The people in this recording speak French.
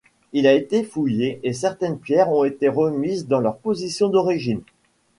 Il a été fouillé et certaines pierres ont été remises dans leur position d'origine.